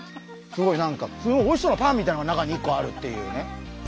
すごいおいしそうなパンみたいのが中に１個あるっていうね。